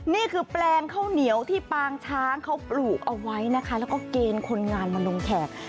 แปลงข้าวเหนียวที่ปางช้างเขาปลูกเอาไว้นะคะแล้วก็เกณฑ์คนงานมาลงแขก